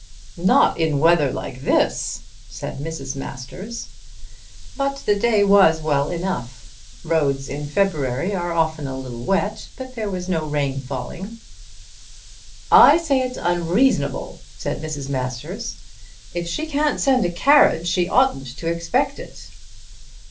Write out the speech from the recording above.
"Not in weather like this," said Mrs. Masters. But the day was well enough. Roads in February are often a little wet, but there was no rain falling. "I say it's unreasonable," said Mrs. Masters. "If she can't send a carriage she oughtn't to expect it."